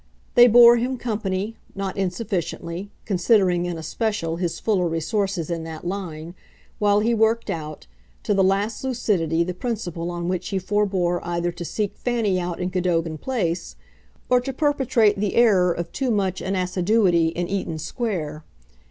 They bore him company, not insufficiently considering, in especial, his fuller resources in that line while he worked out to the last lucidity the principle on which he forbore either to seek Fanny out in Cadogan Place or to perpetrate the error of too marked an assiduity in Eaton Square.